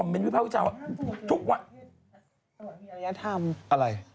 ไม่มีอรรยาทภูมิ